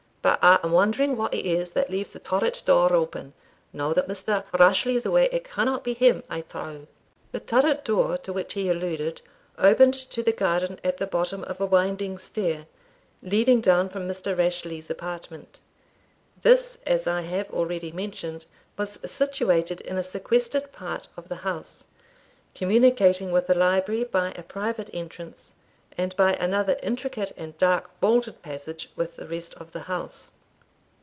But I am wondering what it is that leaves that turret door open; now that Mr. Rashleigh's away, it canna be him, I trow." The turret door to which he alluded opened to the garden at the bottom of a winding stair, leading down from Mr. Rashleigh's apartment. This, as I have already mentioned, was situated in a sequestered part of the house, communicating with the library by a private entrance, and by another intricate and dark vaulted passage with the rest of the house.